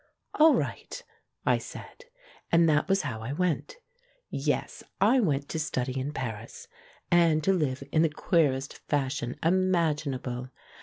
"All right," I said. And that was how I went. Yes, I went to study in Paris, and to live in the queerest fashion imaginable.